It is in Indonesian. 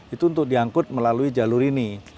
itu untuk diangkut melalui jalur ini